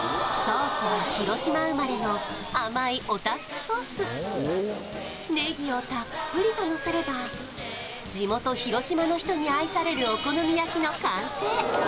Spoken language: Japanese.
ソースは広島生まれの甘いおたふくソースネギをたっぷりとのせれば地元・広島の人に愛されるお好み焼きの完成